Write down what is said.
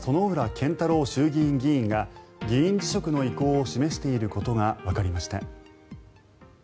健太郎衆議院議員が議員辞職の意向を示していることがわかりました。